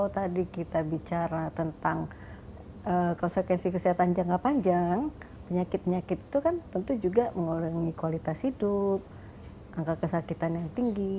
tadi kita bicara tentang konsekuensi kesehatan jangka panjang penyakit penyakit itu kan tentu juga mengurangi kualitas hidup angka kesakitan yang tinggi